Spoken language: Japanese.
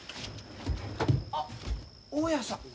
あ大家さん。